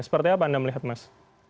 seperti apa anda melihat mas